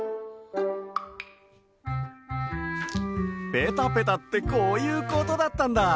ペタペタってこういうことだったんだ！